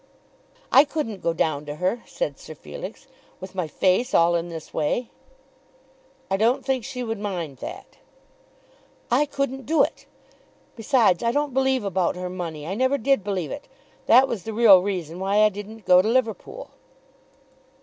"I couldn't go down to her," said Sir Felix, "with my face all in this way." "I don't think she would mind that." "I couldn't do it. Besides, I don't believe about her money. I never did believe it. That was the real reason why I didn't go to Liverpool."